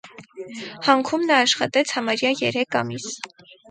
Հանքում նա աշխատեց համարյա երեք ամիս։